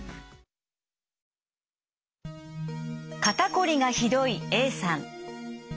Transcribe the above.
肩こりがひどいＡさん。